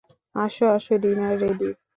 আসো আসো, dinner ready!